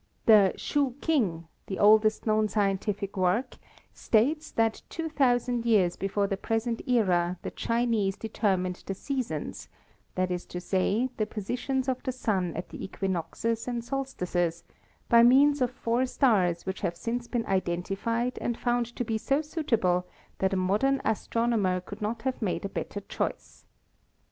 The Shu King, the oldest known scientific work, states that two thousand years before the present era the Chinese determined the seasons — that is to say, the positions of the Sun at the equinoxes and solstices — by means of four stars which have since been identified and found to be so suitable that a modern astronomer could not have made a better choice.